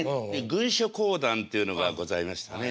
軍書講談というのがございましてね